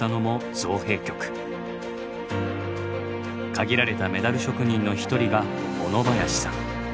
限られたメダル職人の一人が小野林さん。